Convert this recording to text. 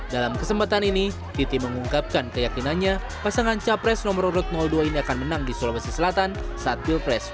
dalam kesempatan ini titi mengungkapkan keyakinannya pasangan capres nomor dua ini akan menang di sulawesi selatan saat bill press dua ribu sembilan belas nanti